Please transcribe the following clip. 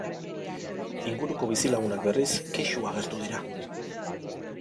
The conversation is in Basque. Inguruko bizi lagunak, berriz, kexu agertu dira.